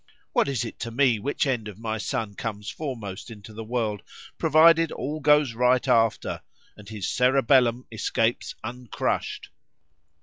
—What is it to me which end of my son comes foremost into the world, provided all goes right after, and his cerebellum escapes uncrushed?